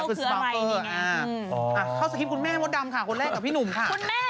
เข้าสคริปคุณแม่มดดำค่ะคนแรกกับพี่หนุ่มค่ะ